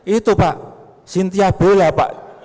itu pak sintiabola pak